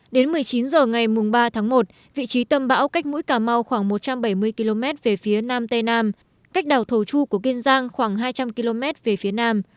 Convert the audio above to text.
đến một mươi chín h ngày ba tháng một vị trí tâm bão cách mũi cà mau khoảng một trăm bảy mươi km về phía nam tây nam cách đảo thầu chu của kiên giang khoảng hai trăm linh km về phía nam